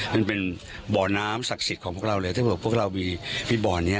เบาะน้ำศักดิ์สิทธิ์ของพวกเราถ้าบอกว่าพวกเรามีเบาะนี้